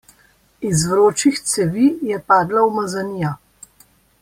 Iz vročih cevi je padla umazanija.